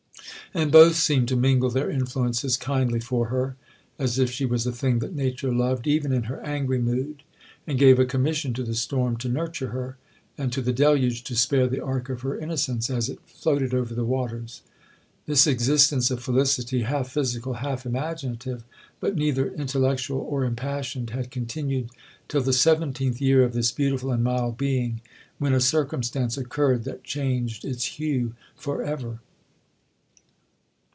And both seemed to mingle their influences kindly for her, as if she was a thing that nature loved, even in her angry mood, and gave a commission to the storm to nurture her, and to the deluge to spare the ark of her innocence, as it floated over the waters. This existence of felicity, half physical, half imaginative, but neither intellectual or impassioned, had continued till the seventeenth year of this beautiful and mild being, when a circumstance occurred that changed its hue for ever.